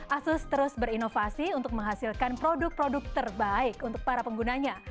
asus terus berinovasi untuk menghasilkan produk produk terbaik untuk para penggunanya